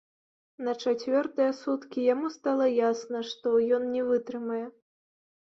На чацвёртыя суткі яму стала ясна, што ён не вытрымае.